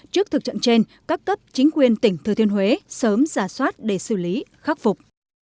trước thực trạng trên các cấp chính quyền tỉnh thừa thiên huế sớm ra soát để xử lý khắc phục